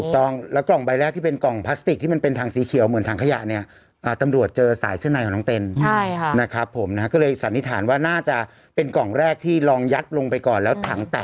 แชที่วันนี้ส่งทีมงานทั้งหมดไปที่บริการแล้ว